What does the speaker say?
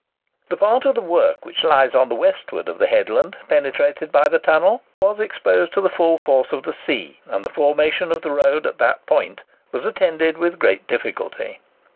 The part of the work which lies on the westward of the headland penetrated by the tunnel, was exposed to the full force of the sea; and the formation of the road at that point was attended with great difficulty.